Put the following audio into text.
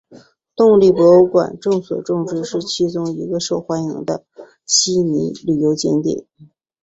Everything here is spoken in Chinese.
动力博物馆众所周知是其中一个受欢迎的悉尼旅游景点。